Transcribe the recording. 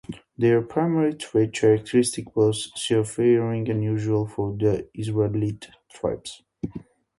Their primary trade characteristic was seafaring, unusual for the Israelite tribes.